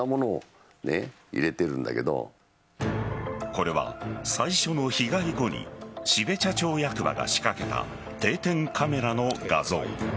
これは最初の被害後に標茶町役場が仕掛けた定点カメラの画像。